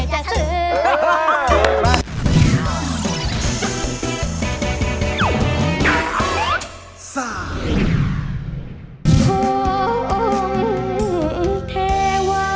จะซื้อ